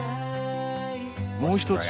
もう一つ